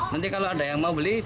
nanti kalau ada yang mau beli